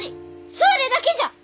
それだけじゃ！